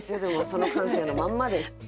その感性のまんまで。